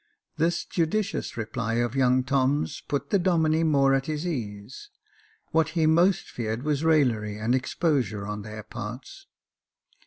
This judicious reply of young Tom's put the Domine more at his ease ; what he most feared was raillery and exposure on their parts.